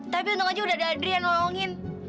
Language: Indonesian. tapi untung aja udah ada adrian ngomongin